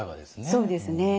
そうですね。